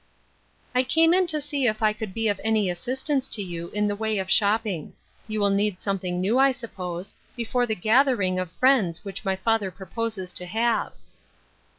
" I came in to see if I could be of any assist ance to you in the way of shopping. You m\ need something new, I suppose, before the gad Bitter Eerbs. 63 ering of friends which my father proposes to have."